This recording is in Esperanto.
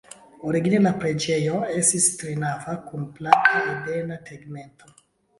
Origine la preĝejo estis trinava kun plata, ebena tegmento.